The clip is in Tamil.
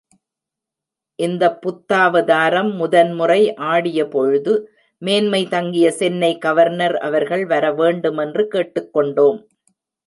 இந்தப் புத்தாவதாரம் முதன்முறை ஆடியபொழுது மேன்மை தங்கிய சென்னை கவர்னர் அவர்கள் வரவேண்டுமென்று கேட்டுக் கொண்டோம்.